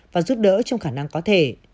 và giúp đỡ trong khả năng có thể